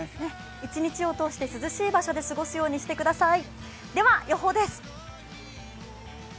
一日を通して涼しい場所で過ごすようにしてください。